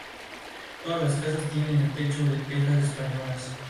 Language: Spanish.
Todas las casas tienen el techo de tejas españolas.